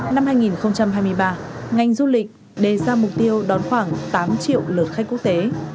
năm hai nghìn hai mươi ba ngành du lịch đề ra mục tiêu đón khoảng tám triệu lượt khách quốc tế